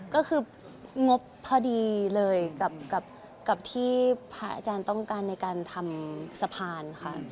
ก็คืองบพอดีเลยกับที่พระอาจารย์ต้องการในการทำสะพานค่ะ